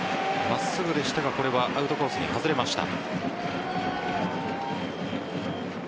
真っすぐでしたがこれはアウトコースに外れました。